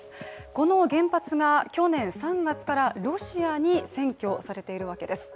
この原発が去年３月からロシアに占拠されているわけです。